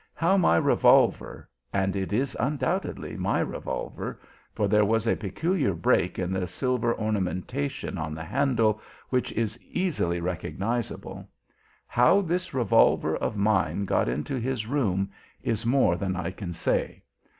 How my revolver and it is undoubtedly my revolver, for there was a peculiar break in the silver ornamentation on the handle which is easily recognisable how this revolver of mine got into his room, is more than I can say.